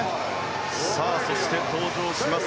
そして登場します